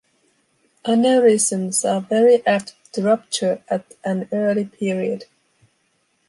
Aneurysms are very apt to rupture at an early period.